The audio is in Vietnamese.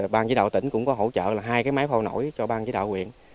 ban giới đạo tỉnh cũng có hỗ trợ hai máy phao nổi cho ban giới đạo quyền